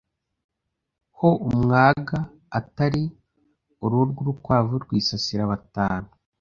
ho umwaga utari uruhu rw’urukwavu rwisasira batanu